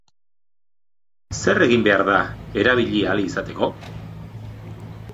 Zer egin behar da erabili ahal izateko?